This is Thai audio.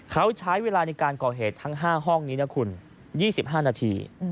เขาใช้เวลาในการก่อเหตุทั้ง๕ห้องนี้นะคุณ๒๕นาที